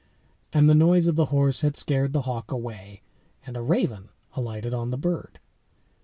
And the noise of the horse had scared the hawk away, and a raven alighted on the bird.